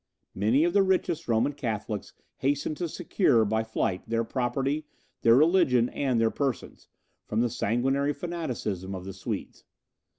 Many of the richest Roman Catholics hastened to secure by flight their property, their religion, and their persons, from the sanguinary fanaticism of the Swedes.